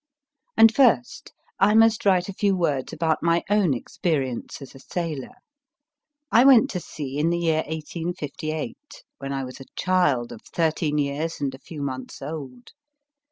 And first, I must write a few words about my own experience as a sailor. I went to sea in the year 1858, when I was a child of thirteen years and a few months old.